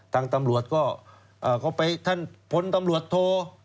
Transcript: ทั้งตำรวจก็ก็ไปพนตำรวจโทร